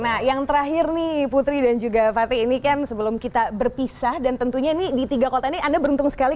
nah yang terakhir nih putri dan juga fatih ini kan sebelum kita berpisah dan tentunya ini di tiga kota ini anda beruntung sekali